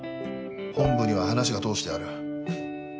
本部には話を通してある。